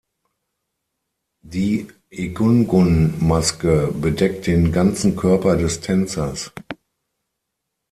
Die Egungun-Maske bedeckt den ganzen Körper des Tänzers.